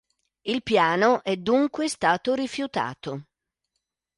Il piano è dunque stato rifiutato.